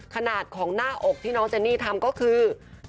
ขนาดของหน้าอกที่น้องเจนี่ทำก็คือ